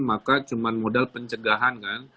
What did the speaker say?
maka cuma modal pencegahan kan